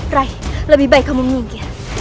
rai lebih baik kamu menunggu dia